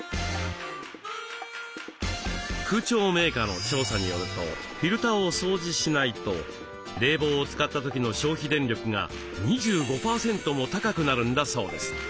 空調メーカーの調査によるとフィルターを掃除しないと冷房を使った時の消費電力が２５％も高くなるんだそうです。